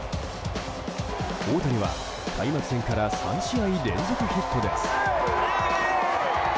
大谷は開幕戦から３試合連続ヒットです。